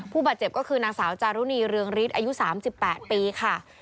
ผู้บาดเจ็บก็คือนางสาวจารุณีเรืองฤทธิ์อายุ๓๘ปีค่ะ